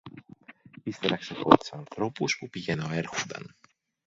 Ύστερα ξεχώρισα ανθρώπους που πηγαινοέρχουνταν